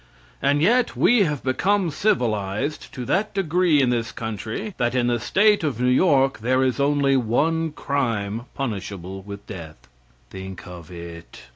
And yet we have become civilized to that degree in this country that in the State of New York there is only one crime punishable with death. Think of it!